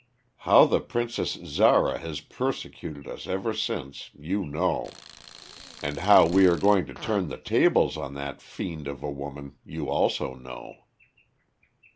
How the Princess Zara has persecuted us ever since you know. And how we are going to turn the tables on that fiend of a woman you also know."